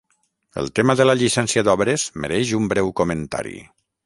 El tema de la llicència d'obres mereix un breu comentari.